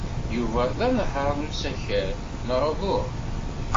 Yuba d anehhaṛ n usakal, neɣ uhu?